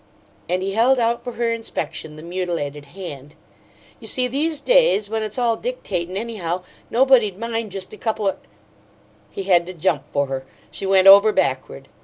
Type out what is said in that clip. And he held out, for her inspection, the mutilated hand. "You see, these days when it's all dictatin', anyhow, nobody'd mind just a couple o' " He had to jump for her she went over backward.